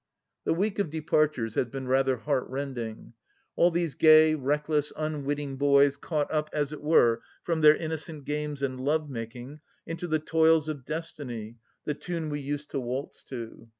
The week of departures has been rather heart rending. All these gay, reckless, imwitting boys caught up, as it were, from their innocent games and lovemaking into the toils of " Destiny "— the tune we used to waltz to.